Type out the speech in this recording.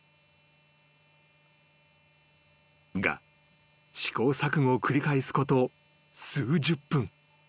［が試行錯誤を繰り返すこと数十分］